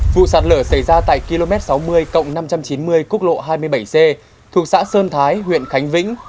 vụ sạt lở xảy ra tại km sáu mươi cộng năm trăm chín mươi quốc lộ hai mươi bảy c thuộc xã sơn thái huyện khánh vĩnh